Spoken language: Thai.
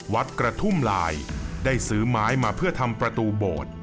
วัดกระทุ่มลายได้ซื้อไม้มาเพื่อทำประตูโบสถ์